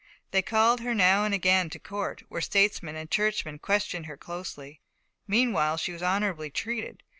They called her now and again to Court, where statesmen and churchmen questioned her closely. Meanwhile, she was honourably treated.